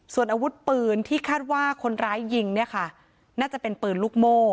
ส่วนอาวุธปืนที่คาดว่าคนร้ายยิงเนี่ยค่ะน่าจะเป็นปืนลูกโม่